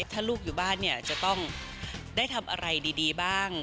ถ้าลูกอยู่บ้านเนี่ยจะต้องได้ทำอะไรดีบ้าง